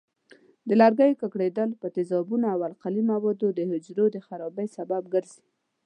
د لرګیو ککړېدل په تیزابونو او القلي موادو د حجرو د خرابۍ سبب ګرځي.